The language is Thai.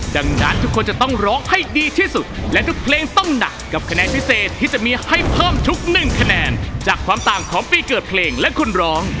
ดังนั้นทุกคนจะต้องร้องให้ดีที่สุดและทุกเพลงต้องหนักกับคะแนนพิเศษที่จะมีให้เพิ่มทุกหนึ่งคะแนนจากความต่างของปีเกิดเพลงและคุณร้อง